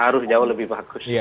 harus jauh lebih bagus